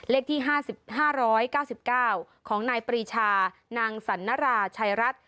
เลขที่๕๙๙ของนายปรีชานางสันนราชัยรัฐ